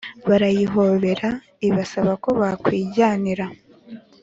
barayihobera, ibasaba ko bakwijyanira.